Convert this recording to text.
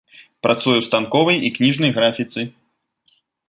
Працуе ў станковай і кніжнай графіцы.